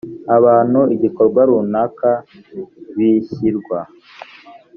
abantu igikorwa runaka bishyirwa